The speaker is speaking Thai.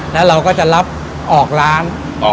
แล้วเราก็จะรับออกร้าน